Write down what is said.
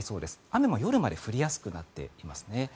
雨も夜まで降りやすくなっていますね。